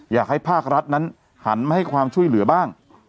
อยากให้ภาครัฐนั้นหันมาให้ความช่วยเหลือบ้าง